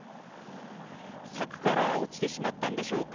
柵から落ちてしまったんでしょうか。